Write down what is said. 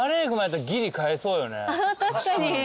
確かに。